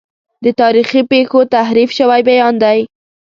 د تاریخي پیښو تحریف شوی بیان دی.